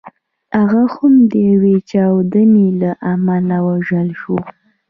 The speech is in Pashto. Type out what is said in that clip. هغه هم د یوې چاودنې له امله ووژل شو.